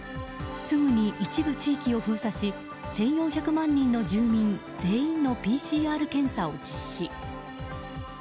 すぐに一部地域を封鎖し１４００万人の住民全員のＰＣＲ検査を実施。